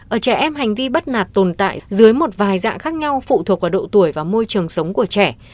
ở trẻ em hành vi bắt nạt tồn tại dưới một vài dạng khác nhau phụ thuộc vào độ tuổi và môi trường sống của trẻ